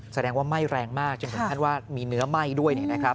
แสดงว่าไหม้แรงมากจนเหมือนกันว่ามีเนื้อไหม้ด้วย